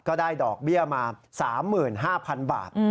ก็ได้ดอกเบี้ยมา๓๕๐๐๐บาท